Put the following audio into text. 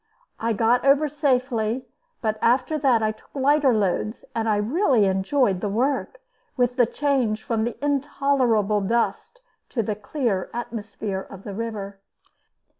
I got over safely, but after that I took lighter loads, and I really enjoyed the work, with the change from the intolerable dust to the clear atmosphere of the river.